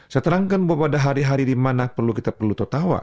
saya terangkan bahwa pada hari hari di mana perlu kita perlu tertawa